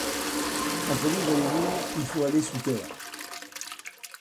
En police, voyez-vous, il faut aller sous terre.